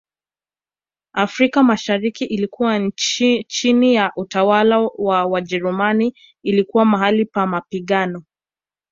Afrika mashariki ilikuwa chini ya utawala wa Wajerumani ilikuwa mahali pa mapigano